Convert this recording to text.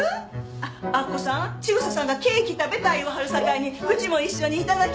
あっ明子さん千草さんがケーキ食べたい言わはるさかいにうちも一緒に頂きますわ。